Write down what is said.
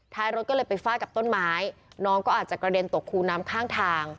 รถก็เลยไปฟาดกับต้นไม้น้องก็อาจจะกระเด็นตกคูน้ำข้างทาง